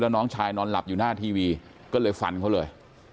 น้องชายนอนหลับอยู่หน้าทีวีก็เลยฟันเขาเลย